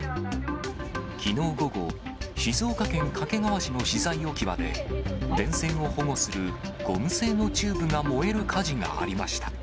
きのう午後、静岡県掛川市の資材置き場で、電線を保護するゴム製のチューブが燃える火事がありました。